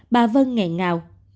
bà vân nghẹn ngào